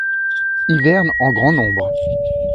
Hiverne en grand nombre.